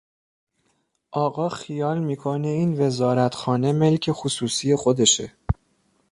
آقا خیال میکنه این وزارتخانه ملک خصوصی خودشه!